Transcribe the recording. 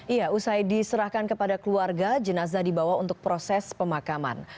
iya usai diserahkan kepada keluarga jenazah dibawa untuk proses pemakaman